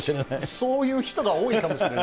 そういう人が多いかもしれない。